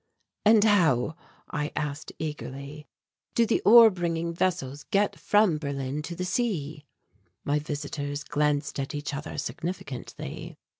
"And how," I asked eagerly, "do the ore bringing vessels get from Berlin to the sea?" My visitors glanced at each other significantly.